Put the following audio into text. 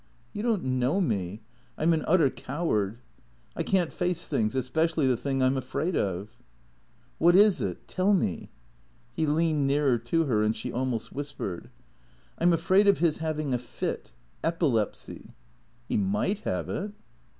" You don't know me. I 'm an utter coward. I can't face things. Especially the thing I 'm afraid of." " Wliat is it? Tell me." He leaned nearer to her, and she almost whispered. "I'm afraid of his having a fit — epilepsy. He might have it."